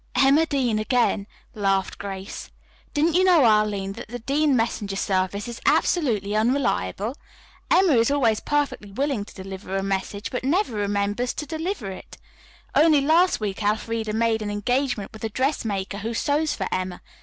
"Emma Dean again," laughed Grace. "Didn't you know, Arline, that the Dean messenger service is absolutely unreliable? Emma is always perfectly willing to deliver a message, but never remembers to deliver it. Only last week Elfreda made an engagement with a dressmaker who sews for Emma.